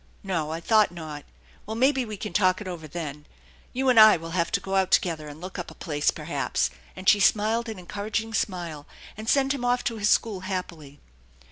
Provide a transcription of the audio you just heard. No, I thought not. Well, maybe we can talk it over then. You and I will have to go out together and look up a place perhaps," and she smiled an encouraging smile, and sent him off to his school happily.